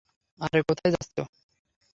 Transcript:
আরে, কোথায় যাচ্ছ?